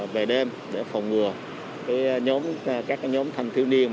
về đêm để phòng ngừa nhóm các nhóm thanh thiếu niên